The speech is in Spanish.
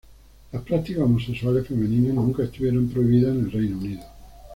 Las prácticas homosexuales femeninas nunca estuvieron prohibidas en el Reino Unido.